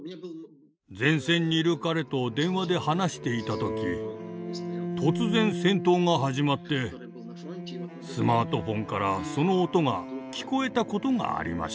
前線にいる彼と電話で話していた時突然戦闘が始まってスマートフォンからその音が聞こえたことがありました。